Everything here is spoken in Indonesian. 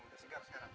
udah segar sekarang